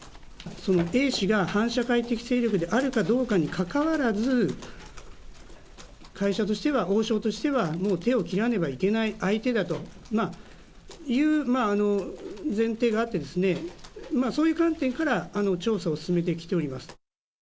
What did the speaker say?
そのＡ氏が反社会的勢力であるかどうかにかかわらず、会社としては、王将としては、もう手を切らねばいけない相手だという前提があってですね、そういう観点から調査を進めてきております。